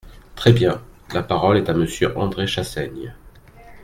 Très bien ! La parole est à Monsieur André Chassaigne.